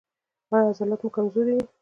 ایا عضلات مو کمزوري دي؟